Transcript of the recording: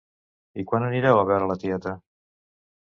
I quan anireu a veure la tieta?